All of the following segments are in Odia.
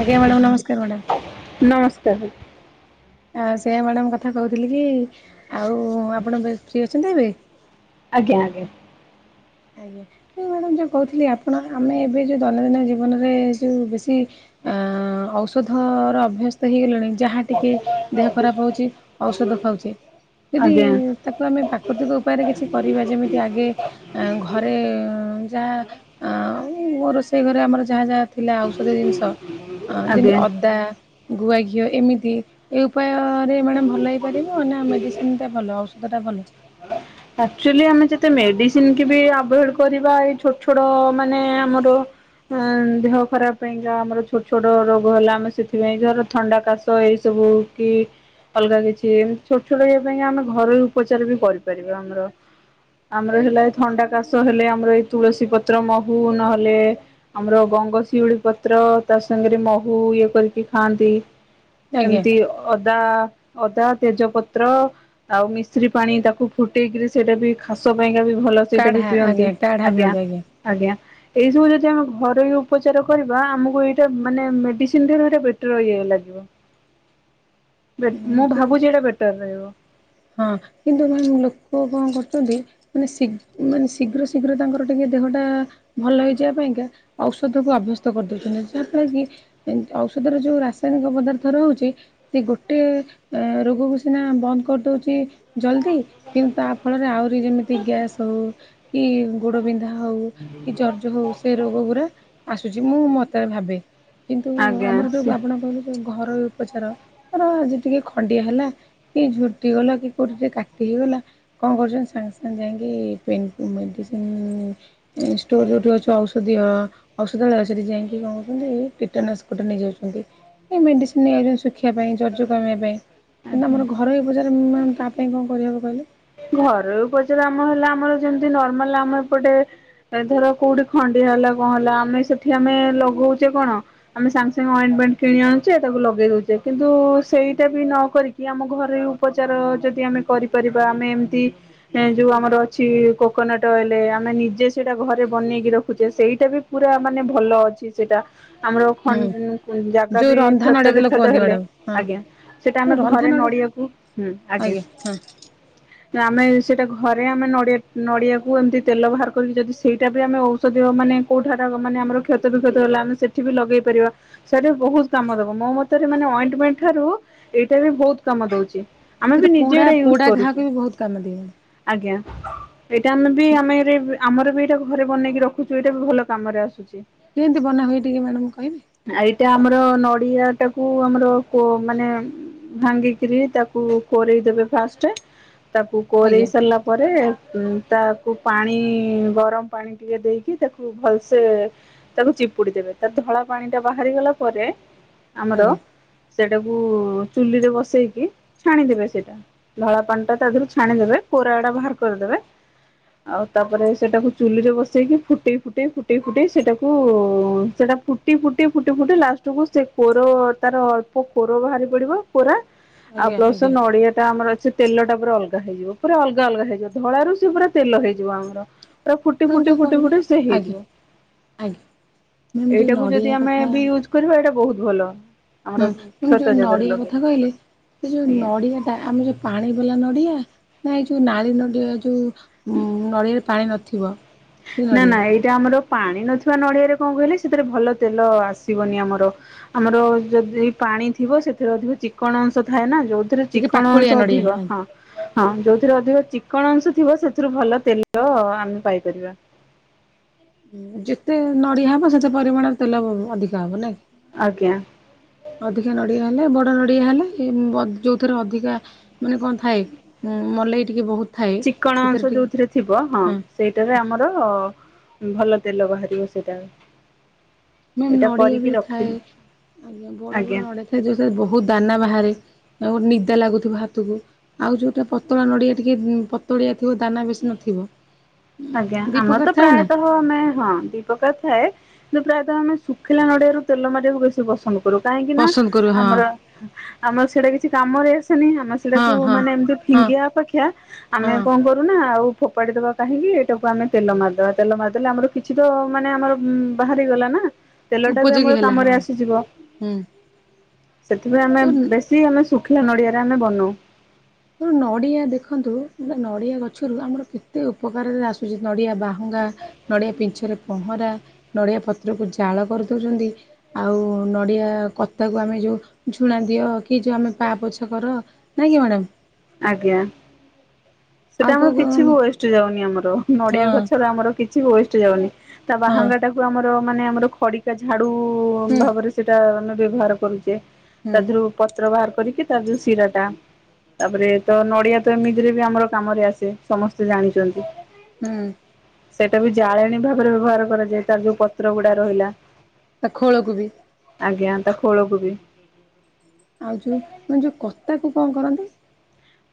ଆଜ୍ଞା ମ୍ୟାଡ଼ାମ ନମସ୍କାର ମ୍ୟାଡ଼ାମ ନମସ୍କାର। ଆ ସେୟା ମ୍ୟାଡ଼ାମ୍ କଥା କହୁଥିଲି କି, ଆଉ ଆପଣ ଏବେ ଫ୍ରି ଅଛନ୍ତି ଏବେ? ଆଜ୍ଞା ଆଜ୍ଞା ‌। ଆଜ୍ଞା, ଏଇ ମ୍ୟାଡ଼ାମ ଯଉ କହୁଥିଲି, ଆପଣ ଆମ ଏବେ ଯଉ ଦୈନନ୍ଦିନ ଜୀବନରେ ଯେଉଁ ବେଶୀ ଆଁ ଔଷଧର ଅଭ୍ୟାସ ହେଇଗଲେଣି, ଯାହା ଟିକେ ଦେହ ଖରାପ ହଉଚି ଔଷଧ ଖାଉଚେ। ଯଦି, ଆଜ୍ଞା ଉଁ ତାକୁ ଆମେ ପ୍ରାକୃତିକ ଉପାୟରେ କିଛି କରିବା, ଯେମିତି ଆଗେ ଆଁ ଘରେ ଯାହା ଆଁ, ମୋ ରୋଷେଇ ଘରେ ଆମର ଯାହା ଯାହା ଥିଲା ଔଷଧୀୟ ଜିନିଷ ଅଁ ଯେମିତି ଆଜ୍ଞା। ଅଦା, ଗୁଆ ଘିଅ, ଏମିତି ଏଇ ଉପାୟରେ ମ୍ୟାଡାମ ଭଲ ହେଇପାରିବ, ନା ମେଡିସିନ ଟା ଭଲ, ଔଷଧ ଟା ଭଲ। ଆକୁଚୁଆଲି ଆମେ ଯେତେ ମେଡିସିନ କି ବି ଆଭଏଡ କରିବା, ଏ ଛୋଟ ଛୋଟ ମାନେ ଆମର ହଁ ଦେହ ଖରାପ ପାଇଁକା, ଆମର ଛୋଟ ଛୋଟ ରୋଗ ହେଲା, ଆମେ ସେଥିପାଇଁ ଧର ଥଣ୍ଡା କାଶ ତ, ଏଇସବୁ କି ଅଲଗା କିଛି, ଛୋଟ ଛୋଟ ଯଉଥି ପାଇଁ କି, ଆମେ ଘରୋଇ ଉପଚାର ବି କରିପାରିବା ଆମର ଆମର ହେଲା ଏ ଥଣ୍ଡା କାଶ ହେଲେ, ଆମର ଏଇ ତୁଳସୀ ପତ୍ର, ମହୁ ନହେଲେ ଆମର ଗଙ୍ଗଶିଉଳି ପତ୍ର ତା ସାଙ୍ଗରେ ମହୁ ଇଏ କରିକି ଖାଆନ୍ତି। ଆଜ୍ଞା ଏମିତି ଅଦା ଅଦା ତେଜପତ୍ର ଆଉ ମିଶ୍ରୀ ପାଣି ତାକୁ ଫୁଟେଇକିରି ସେଇଟା ବି ଖାସ ପାଇଁକା ବି ଭଲ ସେଇଟା ବି କାଢ଼ା ପିଅନ୍ତି ଆଜ୍ଞା କାଢ଼ା ଆଜ୍ଞା ପିଅନ୍ତୁ ଆଜ୍ଞା। ଏଇ ସବୁ ଯଦି ଆମେ ଘରୋଇ ଉପଚାର କରିବା ଆମକୁ ଏଇଟା ମାନେ ମେଡିସିନ ଠାରୁ ଏଇଟା ବେଟର ଇଏ ଲାଗିବ। ମୁଁ ଭାବୁଛି ଏଇଟା ବେଟର ରହିବ। ହଁ କିନ୍ତୁ କ ଲୋକ କଣ କରୁଛନ୍ତି ମାନେ ମାନେ ଶୀଘ୍ର ଶୀଘ୍ର ତାଙ୍କର ଟିକେ ଦେହଟା ଭଲ ହେଇଯିବା ପାଇଁକା ଔଷଧ କୁ ଅଭ୍ୟସ୍ତ କରିଦଉଛନ୍ତି ଯାହା ଫଳା କି ଔଷଧ ର ଯୋଉ ରାସାୟନିକ ପଦାର୍ଥ ରହୁଛି ସେ ଗୋଟେ ଏ ରୋଗକୁ ସିନା ବନ୍ଦ କରିଦଉଛି ଜଲଦି କିନ୍ତୁ ତା ଫଳରେ ଆହୁରି ଯେମିତି ଗ୍ୟାସ୍ ହଉ କି ଗୋଡବନ୍ଧା ହଉ କି ଜର୍ଜ ହଉ ସେ ରୋଗ ଗୁରା ଆସୁଛି ମୁଁ ମତ ଭାବେ। କିନ୍ତୁ ଆଜ୍ଞା ଆମର ଯୋଉ ଆପଣ କହିଲେ ଯୋଉ ଘରୋଇ ଉପଚାର ତର ଆଜି ଟିକେ ଖଣ୍ଡିଆ ହେଲା କି ଝୁଟି ଗଲା କି କୋଉଠି ଟିକେ କାଟି ହେଇଗଲା କଣ କରୁଛନ୍ତି ସାଙ୍ଗେ ସାଙ୍ଗେ ଯାଇକି ପେନ୍ ମେଡିସିନ ଏ ଷ୍ଟୋର ଯୋଉଠି ଅଛି ଔଷଧିୟ ଔଷଧ ବେଳ ସେଠି ଯାଇକି କଣ କହୁଛନ୍ତି କୀଟନାଶକଟ ନେଇଯାଉଛନ୍ତି। ଏ ମେଡ଼ିସିନ ନେଇକି ଶୁଖିବା ପାଇଁ ଜର୍ଜ କମିବା ପାଇଁ ନା ଆଜ୍ଞା ଆମର ଘରୋଇ ଉପଚାର ତା ପାଇଁ କଣ କରିହେବ କହିଲେ। ଘରୋଇ ଉପଚାର ଆମ ହେଲା ଆମର ଯେମତି ନର୍ମାଲ ଆମ ଏପଟେ ଏ ଧର କୋଉଠି ଖଣ୍ଡିଆ ହେଲା କଣ ହେଲା ଆମେ ସେଠି ଆମେ ଲଗଉଛେ କଣ? ଆମେ ସାଙ୍ଗେ ସାଙ୍ଗେ ଅଏଣ୍ଟେମେଣ୍ଟ କିଣି ଆଣୁଛେ ତାକୁ ଲଗେଇ ଦଉଛେ କିନ୍ତୁ ସେଇଟା ବି ନ କରିକି ଆମ ଘରୋଇ ଉପଚାର ଯଦି ଆମେ କରିପାରିବା ଆମେ ଏମିତି ଏ ଯୋଉ ଆମର ଅଛି କୋକୋନଟ୍ ଅଏଲ ଆମେ ନିଜେ ସେଇଟା ଘରେ ବନେଇକି ରଖୁଛେ ସେଇଟା ବି ପୁରା ମାନେ ଭଲ ଅଛି ସେଇଟା। ଆମର ହୁଁ ଫନ ଜାଗା ଯୋଉ ବି ରନ୍ଧା ନଡିଆ କ୍ଷତ ତେଲ ବିକ୍ଷତ କୁହନ୍ତି ହେଲେ ମ୍ୟାଡ଼ାମ ଆଜ୍ଞା। ସେଟା ହଁ ଆମେ ରନ୍ଧା ଘରେ ନଡିଆ ନଡିଆକୁ ହୁଁ ଆଜ୍ଞା। ଆମେ ସେଇଟା ଘରେ ଆମେ ନଡିଆ ନଡିଆକୁ ଏମିତି ତେଲ ବାହାର କରିକି ଯଦି ସେଇଟା ବି ଆମେ ଓଉ ଦିଅ ମାନେ କୋଉଠା ଟା ମାନେ ଆମର କ୍ଷତ ବିକ୍ଷତ ହେଲା ଆମେ ସେଠି ବି ଲଗେଇ ପାରିବା। ସେଠି ବହୁତ କାମ ଦବ ମୋ ମତରେ ମାନେ ଅଏଣ୍ଟମେଣ୍ଟ ଠାରୁ ଏଇଟା ବି ବହୁତ କାମ ଦଉଛି। ଆମେ ସେଟା ବି ନିଜେ ପୋଡା ଏଟା ୟୁଜ ପୋଡା ଘାକୁ କରୁଛୁ। ବି ବହୁତ କାମ ଦିଏ ମ୍ୟାଡ଼ାମ ଆଜ୍ଞା ଏଇଟା ଆମେ ବି ଆମେ ଏ ଆମର ବି ଏଇଟା ଘରେ ବନେଇକି ରଖୁଛୁ ଏଇଟା ବି ଭଲ କାମରେ ଆସୁଛି। କେମିତି ବନା ହୁଏ ଟିକେ ମ୍ୟାଡ଼ାମ କହିବେ। ଆଉ ଏଇଟା ଆମର ନଡିଆ ଟାକୁ ଆମର କୋ ମାନେ ଭାଙ୍ଗିକିରି ତାକୁ କୋରେଇ ଦେବେ ଫାଷ୍ଟ ତାକୁ କୋରେଇ ଆଜ୍ଞା ସାରିଲା ପରେ ଉ ତାକୁ ପାଣି ଗରମ ପାଣି ଟିକେ ଦେଇକି ତାକୁ ଭଲସେ ତାକୁ ଚିପୁଡ଼ି ଦେବେ ତା ଧଳା ପାଣି ଟା ବାହାରି ଗଲା ପରେ ଆମର ଆଜ୍ଞା ସେଟାକୁ ଚୁଲିରେ ବସେଇକି ଛାଣିଦେବେ ସେଇଟା। ଧଳା ପାଣି ଟା ତା ଦେହରୁ ଛାଣିଦେବେ କୋରା ଆଡ଼ା ବାହାର କରିଦେବେ। ଆଉ ତାପରେ ସେଟାକୁ ଚୁଲିରେ ବସେଇକି ଫୁଟେଇ ଫୁଟେଇ ଫୁଟେଇ ଫୁଟେଇ ସେଟାକୁ ସେଟା ଫୁ ଫୁଟି ଫୁଟି ଫୁଟି ଫୁଟି ଲାଷ୍ଟକୁୁ ସେ କୋର ତାର ଅଳ୍ପ କୋର ବାହାରି ପଡିବ। ପୁରା ଆଉ ଆଜ୍ଞା ପ୍ଲସ୍‌ ଆଜ୍ଞା ନଡିଆ ଟା ଆମର ଅଛି। ତେଲ ଟା ପୁରା ଅଲଗା ହେଇଯିବ। ପୁରା ଅଲଗା ଅଲଗା ହେଇଯିବ। ଧଳାରୁ ସେ ପୁରା ତେଲ ହେଇଯିବ ଆମର। ପୁରା ଫୁଟି ମ୍ୟାମ୍ ଫୁଟି ଯୋଉ ଫୁଟି କହିଲେ ଫୁଟି ସେ ଆଜ୍ଞା ହେଇଯିବ। ଆଜ୍ଞା ମ୍ୟାମ୍ ଯୋଉ ଏଇଟାକୁ ଯଦି ନଡ଼ିଆ ଆମେ କଥା ବି ୟୁଜ୍‌ କରିବା ଏଇଟା ବହୁତ ଭଲ। ହୁଁ ଆମର ମୁଁ କ୍ଷତ ଯୋଉ ଜାଗାରେ ନଡିଆ ଲଗେଇଲେ କଥା କ କହିଲେ ସେ ଯୋଉ ଆଜ୍ଞା। ନଡିଆ ଟା ଆମେ ଯୋଉ ପାଣି ବାଲା ନଡିଆ। ନାଇଁ ଯୋଉ ନାଳୀ ନଡିଆ ଯୋଉ ନଡ଼ିଆରେ ପାଣି ନଥିବ। ସେ ନା ନା ନଡ଼ିଆ ଏଇଟା ଆମର ପାଣି ନଥିବା ନଡିଆରେ କଣ କହିଲେ ସେଥିରେ ଭଲ ତେଲ ଆସିବନି ଆମର। ଆମର ଯଦି ପାଣି ଥିବ ସେଥିରେ ଅଧିକ ଚିକଣ ଅଂଶ ଥାଏ ନା ଯୋଉ ସେଥିରେ ଟିକେ ଚିକଣ ପାକୁଳିଆ ଅଂଶ ନଡ଼ିଆ ଅଧିକ ହଁ। ହଁ ଯୋଉଥିରେ ଅଧିକ ଚିକଣ ଅଂଶ ଥିବ ସେଥିରୁ ଭଲ ତେଲ ଆମେ ପାଇପାରିବା। ଯେତେ ନଡିଆ ହବ ସେତେ ପରିମାଣର ତେଲ ଅଧିକ ହବ ନାଇଁ। ଆଜ୍ଞା। ଅଧିକା ନଡ଼ିଆ ହେଲେ ବଡ଼ ନଡ଼ିଆ ହେଲେ ଯେଉଁଥିରେ ଅଧିକା ମାନେ କଣ ଥାଏ। ଉଁ ମଲେଇ ଟିକେ ବହୁତ ଥାଏ ଚିକଣ ସେଥିରେ ଅଂଶ ଟିକେ ଯୋଉଥିରେ ଥିବ ହଁ ସେଇଟାରେ ଆମର ତ ଭଲ ତେଲ ବାହାରିବ ସେଇଟା। ନା ଏଇଟା ନଡ଼ିଆ କରିକି ବି ଥାଏ ରଖିଲି ଆଜ୍ଞା ବଡ ଆଜ୍ଞା। ବଡ ନଡିଆ ଥାଏ ଯୋଉରେ ବହୁତ ଦାନା ବାହାରେ। ଆ ଗୋଟେ ନିଦା ଲାଗୁଥିବ ହାତକୁ। ଆଉ ଯୋଉଟା ପତଳା ନଡିଆ ଟିକେ ପତଳିଆ ଥିବ ଦାନା ବେଶୀ ନଥିବ। ଆଜ୍ଞା ଦି ଆମର ପ୍ରକାର ତ ଥାଏ ନା ପ୍ରାୟତଃ ଆମେ ହଁ ଦିପ୍ରକାର ଥାଏ କିନ୍ତୁ ପ୍ରାୟତଃ ଆମେ ଶୁଖିଲା ନଡିଆରୁ ତେଲ ମାରିବାକୁ ବେଶୀ ପସନ୍ଦ। କରୁ କାହିଁକି ନା ପସନ୍ଦ କରୁ ହଁ ଆମର ଆମର ସେଇଟା କିଛି କାମରେ ଆସେନି, ଆମେ ହଁ ସେଟାକୁ ହଁ ମାନେ ଏମିତି ହଁ। ଫିଙ୍ଗିବା ଅପେକ୍ଷା ଆମେ ହଁ କଣ କରୁନା ଆଉ ଫୋପାଡି ଦବା କାହିଁକି ସେଇଟାକୁ ଆମେ ତେଲ ମାରିଦବା, ତେଲ ମାରିଦେଲେ, ଆମର କିଛି ତ ମାନେ ଆମର ବାହାରି ଗଲା ନା। ତେଲ ଟା ବି ଉପଯୋଗୀ ଆମର ହେଲା ହଁ କାମରେ ଆସିଯିବ। ହୁଁ ସେଥିପାଇଁ ଆମେ ତ ବେଶୀ ଆମେ ଶୁଖିଲା ନଡିଆରେ ଆମେ ବନୋଉ। ତେଣୁ ନଡ଼ିଆ ଦେଖନ୍ତୁ, ନଡ଼ିଆ ଗଛରୁ ଆମର କେତେ ଉପକାରରେ ଆସୁଛି, ନଡ଼ିଆ ବାହୁଙ୍ଗା ନଡିଆ ପିଞ୍ଛରେ ପହଁରା, ନଡିଆ ପତ୍ରକୁ ଜାଳ କରିଦୋଉଛନ୍ତି। ଆଉ ନଡ଼ିଆ କତାକୁ ଆମେ ଯୋଉ ଝୁଣା ଦିଅ କି, ଯୋଉ ଆମେ ପା ପୋଛା କର। ନାକି ମ୍ୟାଡ଼ାମ୍। ଆଜ୍ଞା ଆଉ ସେଟା କୋଉ ଆମର କୋଉ କିଛି ଆମେ ବି ୱେଷ୍ଟ ଯାଉନି ଆମର। ନଡିଆ ହଁ ଗଛର ଆମର କିଛି କିଛି ୱେଷ୍ଟ ଯାଉନି ତା ହଁ ବାହାଙ୍ଗା ଟାକୁ ଆମର ମାନେ ଆମର ଖଡି ଝାଡୁ ହୁଁ ଭାବରେ ସେଇଟା ଆମେ ବ୍ୟବହାର କରୁଛେ। ହୁଁ ତା ଦେହରୁ ପତ୍ର ବାହାର କରିକି ତା ଯୋଉ ଶିରାଟା। ତାପରେ ତ ନଡିଆ ତ ଏମିତିରେ ବି ଆମର କାମରେ ଆସେ ସମସ୍ତେ ଜାଣିଛନ୍ତି। ହୁଁ। ସେଇଟା ବି ଜାଳେଣୀ ଭାବରେ ବ୍ୟବହାର କରାଯାଏ। ତାର ଯୋଉ ପତ୍ର ଗୁଡାକ ରହିଲା। ତା ଖୋଳକୁ ବି। ଆଜ୍ଞା ତା ଖୋଳକୁ ବି। ଆଉ ଯୋଉ ମାନେ ଯୋଉ କତା କ କଣ କରନ୍ତି?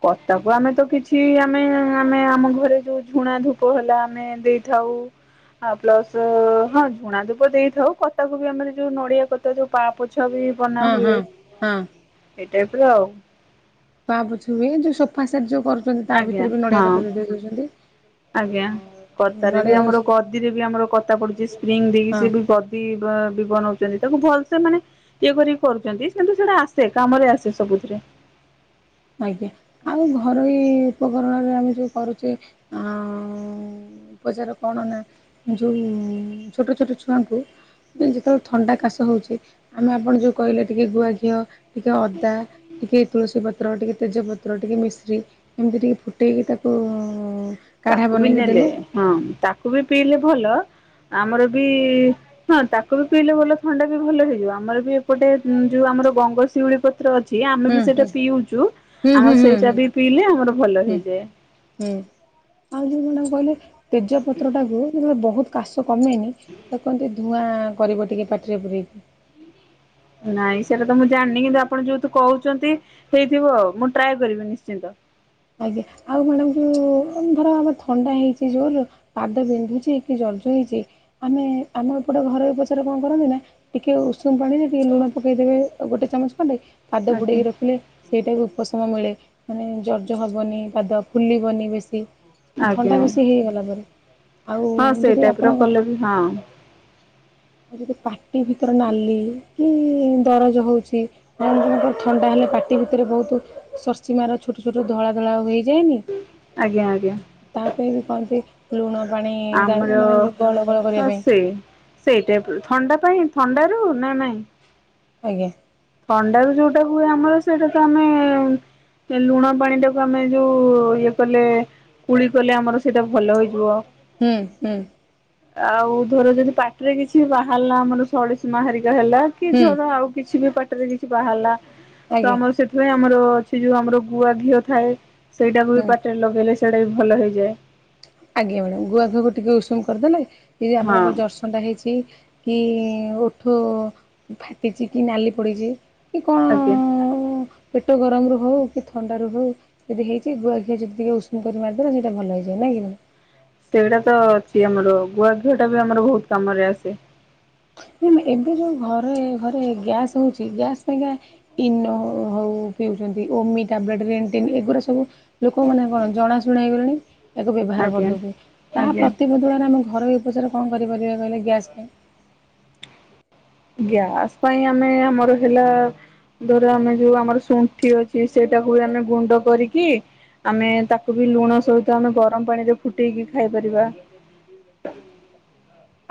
କତାକୁ ଆମେ ତ କିଛି ଆମେ ଆମେ ଆମ ଘରେ ଯୋଉ ଝୁଣା ଧୂପ ହେଲା, ଆମେ ଦେଇଥାଉ। ହଁ ପ୍ଲସ ହଁ ଝୁଣା ଧୂପ ଦେଇଥାଉ। କତାକୁ ବି ଆମ ଯୋଉ ନଡିଆ କତା ଯୋଉ ପା ପୋଛ ବି ବନା ହଁ ହଁ ହୁଏ। ହଁ ଏଇ ଟାଇପ୍ ର ଆଉ। ପା ପଛ ହୁଏ, ଯୋଉ ସୋଫା ସେଟ ଯୋଉ କରୁଛନ୍ତି ତା ଆଜ୍ଞା ଭିତରେ ବି ନଡିଆ ହଁ କତା ଦେଇ ଦଉଛନ୍ତି। ଆଜ୍ଞା, ଆଉ କତାରେ ବି ନଡ଼ିଆ ଆମର ଗଦିରେ ବି ଆମର କତା ପଡୁଛି, ସ୍ପ୍ରିଙ୍ଗ ଦେଇକି ହଁ ସିଏବି ‌। ଗଦି ବ ବି ବନଉଛନ୍ତି, ତାକୁ ଭଲସେ ମାନେ। ଇଏ କରିକି କରୁଛନ୍ତି କିନ୍ତୁ ସେ ରା ଆସେ, କାମରେ ଆସେ ସବୁଥିରେ। ଆଜ୍ଞା, ଆଉ ଘରୋଇ ଉପକରଣରେ ଆମେ ଯୋଉ କରୁଛେ ଆଁ ଉପଚାର କଣ ନା ଯୋଉ ଛୋଟ ଛୋଟ ଛୁଆଙ୍କୁ। ଯୋଉ ଯେତେବେଳେ ଥଣ୍ଡା କାଶ ହଉଛି। ଆମେ ଆପଣ ଯୋଉ କହିଲେ ଟିକେ ଗୁଆ ଘିଅ ଟିକେ ଅଦା ଟିକେ ତୁଳସୀ ପତ୍ ପତ୍ର ଟିକେ ତେଜପତ୍ର ଟିକେ ମିଶ୍ରି ଏମିତି ଟିକେ ଫୁଟେଇକି ତାକୁ ଉଁ। କାଢା ତାକୁ ବି ବନେଇକି ନେଲେ ଦେଲେ। ହଁ ତାକୁ ବି ପିଇଲେ ଭଲ ଆମର ବି। ହଁ ତାକୁ ବି ପିଇଲେ ଭଲ ଥଣ୍ଡା ବି ଭଲ ହେଇଯିବ ଆମର ବି ଏପଟେ ଯୋଉ ଆମର ଗଙ୍ଗଶିଉଳି ପ ତ୍ର ଅଛି ଆମେ ହୁଁ ବି ସେଇଟା ହୁଁ ପିଉଛୁ ହୁଁ ଆମ ହୁଁ ହୁଁ ସେଇଟା ହୁଁ ବି ପିଇଲେ ଆମର ଭଲ ହୁଁ ହେଇଯାଏ। ହୁଁ ଆଉ ଯୋଉ କଣ ଟା କହିଲେ ତେଜପତ୍ର ଟାକୁ ଟିକେ ବହୁତ। କାଶ କମେନି ତ କୁହନ୍ତି ଧୂଆଁ କରିବ ଟିକେ ପାଟିରେ ପୁରେଇକି। ନାଇଁ ସେଇଟା ତ ମୁଁ ଜାଣିନି କିନ୍ତୁ ଆପଣ ଯେହେତୁ କହୁଛନ୍ତି ହେଇଥିବ ଆଉ ମୁଁ ଟ୍ରାଏ କରିବି ନିଶ୍ଚିନ୍ତ। ଆଜ୍ଞା ଆଉ ମ୍ୟାଡ଼ାମ ଯୋଉ ଧର ଆମେ ଥଣ୍ଡା ହେଇଛି ଜୋରେ। ପାଦ ବିନ୍ଧୁଛି କି ଦର୍ଜ ହେଇଛି ଆମେ ଆମ ଏପଟେ ଘରୋଇ ଉପଚାର କଁ କରନ୍ତି ନା। ଟିକେ ଉଷୁମ ପାଣିରେ ଟିକେ ଲୁଣ ପକେଇ ଦେବେ ଗୋଟେ ଚାମଚ ଖଣ୍ଡେ। ପାଦ ଆଜ୍ଞା ବୁଡ଼େଇକି ରଖିଲେ ସେଇଟା ବି ଉପଶମ ମିଳେ ମାନେ ଦ ଦରଜ ହବନି ପାଦ ଫୁଲିବନି ବେଶୀ। ଆଉ ଆଜ୍ଞା ଥଣ୍ଡା ବେଶୀ ହେଇଗଲା ପରେ ଆଉ ହଁ ସେଇ ଯଦି ଟାଇପ ର ଆପଣ। କଲେ ବି ହଁ। ଆଉ ଯଦି ପାଟି ଭିତର ନାଲି କି ଦରଜ ହଉଛି। ଜଣ ଜଣଙ୍କ ର ଥଣ୍ଡା ହେଲେ ପାଟି ଭିତରେ ବହୁତୁ। ସର ସିନା ର ଛୋଟ ଛୋଟ ଧଳା ଧଳା ହେଇ ଯାଏନି। ଆଜ୍ଞା ଆଜ୍ଞା। ତା ପାଇଁ ବି କହନ୍ତି ଲୁଣ ପାଣି ଗା ଆମର ମାନେ ଗଳ ଭଳ କରିବା ହଁ ପାଇଁ। ସେ ସେଇ ଟାଇପ୍ ର ଥଣ୍ଡା ପାଇଁ ଥଣ୍ଡାରୁ ନା ନାଇଁ। ଆଜ୍ଞା। ଥଣ୍ଡା ର ଯୋଉଟା ହୁଏ ଆମର ସେଇଟା ତ ଆମେ। ଏ ଲୁଣ ପାଣି ଟାକୁ ଆମେ ଯୋଉ ଇଏ କଲେ। କୁଳି କଲେ ଆମର ସେଇଟା ଭଲ ହୋଇଯିବ। ହୁଁ ହୁଁ। ଆଉ ଧର ଯଦି ପାଟିରେ କିଛି ବାହାରିଲା ଆମର ସଳିସିମା ହେରିକା ହେଲା। କି ହୁଁ ଧର ଆଉ କିଛି ବି ପାଟିରେ କିଛି ବାହାରିଲା ତ ଆଜ୍ଞା ଆମର ସେ। ସେଥିପାଇଁ ଆମର ଅଛି ଯୋଉ ଆମର ଗୁଆ ଘିଅ ଥାଏ ସେଇଟାକୁ ବି ହୁଁ। ପାଟି ରେ ଲଗେଇଲେ ସେଇଟା ବି ଭଲ ହେଇଯିବ। ଆଜ୍ଞା ମ୍ୟାଡାମ ଗୁଆ ଘିଅକୁ ଟିକେ ଉଷୁମ କରିଦେଲେ ଏଇ ଯୋଉ ହଁ ଆପଣଙ୍କ ଜରଷ ଥଣ୍ଡା ହେଇଛି କି ଓଠ ଫାଟିଛି କି ନାଲି ପଡିଛି କି କଣ। ଆଜ୍ଞା। ଆଉ ପେଟ ଗରମ ରୁ ହଉ କି ଥଣ୍ଡା ରୁ ହଉ। ଯଦି ହେଇଛି ଗୁଆଘିଅ ଯଦି ଟିକେ ଉଷୁମୁ କରି ମାରି ଦବା ସେଇଟା ଭଲ ହେଇଯିବ ନାଇଁ କି। ସେଗୁଡା ତ ଅଛି ଆମର ଗୁଆଘିଅ ଟା ବି ଆମର ବହୁତ କାମ ରେ ଆସେ। ପୁଣି ଏବେ ଯୋଉ ଘରେ ଘରେ ଗ୍ୟାସ୍ ହଉଛି ଗ୍ୟାସ୍ ପାଇଁକା। ଇନୋ ହଉ ପିଉଛନ୍ତି ଓମି ଟ୍ୟାାବ୍ଲେଟ୍ ରେଣ୍ଟିନ୍ ଏଗୁଡ଼ା ସବୁ। ଲୋକମାନେ କଣ ଜଣାଶୁଣା ହେଇଗଲେଣି। ଏହାକୁ ବ୍ୟବହାର ଆଜ୍ଞା କରିଦେଉଛି, ତା ଆଜ୍ଞା। ପ୍ରତିବଦଳରେ ଆମେ ଘରୋଇ ଉପଚାର କଣ କରିପାରିବା କହିଲେ? ଗ୍ୟାସ୍ ଗ୍ୟାସ ପାଇଁ ଆମେ ଆମର ହେଲା ଧର ଆମେ ଯୋଉ ଆମର ଶୁଣ୍ଠି ଅଛି ସେଇଟାକୁ ବି ଆମେ ଗୁଣ୍ଡ କରିକି ଆମେ ତାକୁ ବି ଲୁଣ ସହିତ ଆମେ ଗରମ ପାଣିରେ ଫୁଟେଇକି ଖାଇପାରିବା।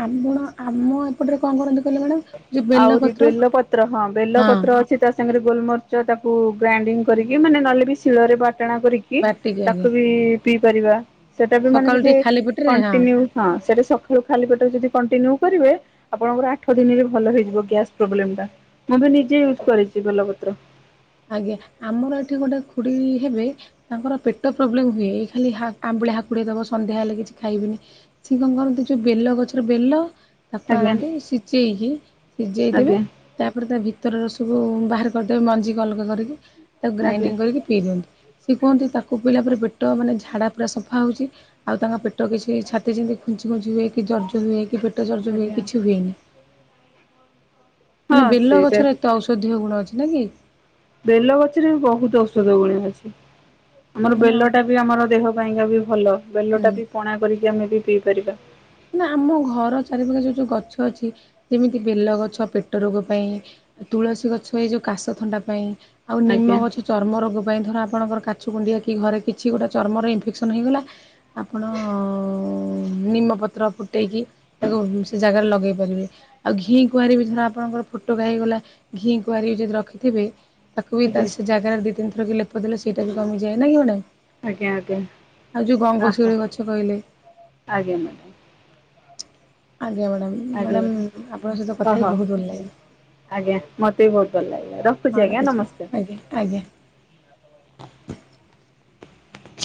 ଆପଣ ଆମ ଏପଟରେ କଣ କରନ୍ତୁ କହିଲେ ମ୍ୟାଡ଼ାମ? ଯୋଉ ଆହୁରିି ବେଲପତ୍ର ବେଲପତ୍ର ହଁ ବେଲପତ୍ର ସେ ତା ସାଙ୍ଗରେ ଗୋଲମର୍ଚ ତାକୁ ଗ୍ରାଇଣ୍ଡିଙ୍ଗ କରିକି ମାନେ ନହେଲେ ବି ଶିଳରେ ବାଟଣା କରିକି କି ବାଟିକି ତାକୁ ଆଗେ ବି ପିଇ ପାରିବା, ସେଟା ବି ମାନେ ସକାଳୁ ଯଦି ଟିକେ ଖାଲି ପେଟରେ କଣ୍ଟିନ୍ୟୁ ହଁ ସେଠି ସକାଳୁ ଖାଲି ପେଟ ଯଦି କଣ୍ଟିନ୍ୟୁ କରିବେ ଆପଣଙ୍କର ଅଳ୍ପ ଦିନରେ ଭଲ ହେଇଯିବ ଗ୍ୟାସ୍ ପ୍ରୋବ୍ଲେମ ଟା, ମୁଁ ବି ନିଜେ ୟୁଜ୍ କରିଛି ବେଲପତ୍ର। ଆଜ୍ଞା ଆମର ଏଠି ଗୋଟେ ଖୁଡି ହେବେ ତାଙ୍କର ପେଟ ପ୍ରୋବ୍ଲେମ ହୁଏ ଖାଲି ଆମ୍ବଳି ହାକୁଡ଼ି ଦେବ ସନ୍ଧ୍ୟା ହେଲେ କିଛି ଖାଇବେନି। ସିଏ କଣ କରନ୍ତି ଯୋଉ ବେଲ ଗଛର ବେଲ ତାକୁ ଆଜ୍ଞା ଆଣନ୍ତି ସିଝେଇକି ସିଝେଇ ଦେବେ ଆଜ୍ଞା। ତାପରେ ତା ଭିତର ରସକୁ ବାହାର କରିଦେବେ ମଞ୍ଜିିକି ଅଲଗା କରିକି ତାକୁ ଆଜ୍ଞା ଗ୍ରାଇଣ୍ଡିଙ୍ଗ କରିକି ପିଇ ଦିଅନ୍ତି। ସିଏ କୁହନ୍ତି ତାକୁ ପିଲା ପରେ ପେଟ ମାନେ ଝାଡ଼ା ପୁରା ସଫା ହଉଛି। ଆଉ ତାଙ୍କ ପେଟ କିଛି ଛାତି ଯେମିତି ଖୁଞ୍ଚି ଖୁଞ୍ଚି ହଏ କି ଜର୍ଜ ହୁଏ କି ପେଟ ଜର୍ଜ ହୁଏ ଆଜ୍ଞା କିଛି ହୁଏନି। ହଁ ମାନେ ବେଲ ସେଇଟା ଗଛର ଏତେ ଔଷଧୀୟ ଗୁଣ ଅଛି ନା କି? ବେଲ ଗଛରେ ବି ବହୁତ ଔଷଧ ଗୁଣ ଅଛି। ଆମର ମାନେ ବେଲ ଆମ୍ ଟା ବି ଆମର ଦେହ ପାଇଁକା ବି ଭଲ ବେଲ ହୁଁ ଟା ବି ପଣା କରିକି ଆମେ ବି ପିଇ ପାରିବା। ମ ଆମ ଘର ଚାରିପାଖରେ ଯୋଉ ଯୋଉ ଗଛ ଅଛି ଯେମିତି ବେଲଗଛ ପେଟ ରୋଗ ପାଇଁ ତୁଳସୀ ଗଛ ଏଇ ଯୋଉ କାଶ ଥଣ୍ଡା ପାଇଁ ଆଉ ଆଜ୍ଞା ନିମ ଗଛ ଚର୍ମ ରୋଗ ପାଇଁ ଧର ଆପଣଙ୍କର କାଛୁ କୁଣ୍ଡିଆ କି ଘରେ କିଛି ଗୋଟେ ଚର୍ମର ଇନଫେକ୍ସନ୍ ହେଇଗଲା ଆପଣ ନିମପତ୍ର ଫୁଟେଇକି ତାକୁ ସେ ଜାଗାରେ ଲଗେଇ ପାରିବେ। ଆଉ ଘି କୁଆଁରୀ ବି ଧର ଆପଣଙ୍କର ଫୋଟକା ହେଇଗଲା ଘି କୁଆରୀ ବି ଯଦି ରଖିଥିବେ ତାକୁ ବି ତା ଆଜ୍ଞା ସେ ଜାଗାରେ ଦି ତିନିଥର ଲପ ଦେଲେ ସେଇଟା ବି କମିଯାଏ ନା କି ମ୍ୟାଡ଼ାମ। ଆଜ୍ଞା ଆଜ୍ଞା ଆଉ ଯୋଉ ଗଙ୍ଗ ଆହ ଶିଉଳି ଗଛ କହିଲେ। ଆଜ୍ଞା। ଆଜ୍ଞା ମ୍ୟାଡ଼ାମ୍ ଆଜ୍ଞା ମ୍ୟାଡ଼ାମ୍ ମ୍ୟାଡ଼ାମ ଆପଣଙ୍କ ସହିତ ହଁ କଥା ହ ହଉ ବହୁତ ଭଲଲାଗିଲା। ଆଜ୍ଞା ମତେ ବି ବହୁତ ଭଲ ଲାଗିଲା। ରଖୁଛି ହଉ ଆଜ୍ଞା ରଖୁଛିି ନମସ୍କାର। ଆଜ୍ଞା ଆଜ୍ଞା।